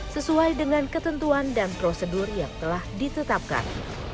sesuai dengan ketentuan dan prosedur yang telah ditetapkan